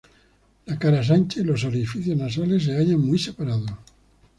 La cara es ancha y los orificios nasales se hallan muy separados.